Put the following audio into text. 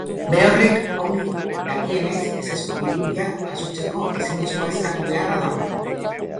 Berorrek ongi dakienez, ezezko biribila jasotzeko, ezinezkoa eskatu beharra dago.